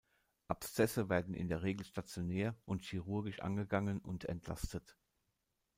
Abszesse werden in der Regel stationär und chirurgisch angegangen und entlastet.